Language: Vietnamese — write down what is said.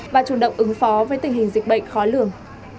và chủ động ứng phó với tình hình dịch bệnh khó lường